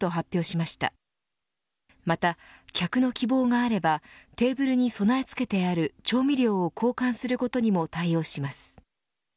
また客の希望があればテーブルに備え付けてある調味料を交換することにも対応します。